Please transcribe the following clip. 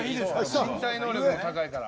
身体能力が高いから」